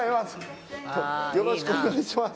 よろしくお願いします